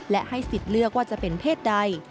และให้สิทธิ์เลือกว่าจะเป็นเพศใด